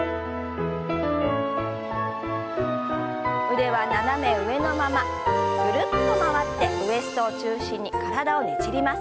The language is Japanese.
腕は斜め上のままぐるっと回ってウエストを中心に体をねじります。